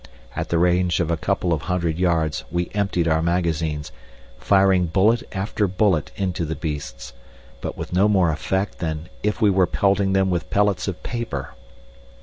At the range of a couple of hundred yards we emptied our magazines, firing bullet after bullet into the beasts, but with no more effect than if we were pelting them with pellets of paper.